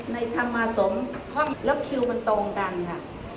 ในธรรมสมแล้วคิวมันตรงกันค่ะ